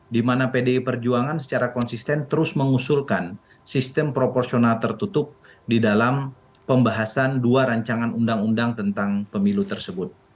di mana pdi perjuangan secara konsisten terus mengusulkan sistem proporsional tertutup di dalam pembahasan dua rancangan undang undang tentang pemilu tersebut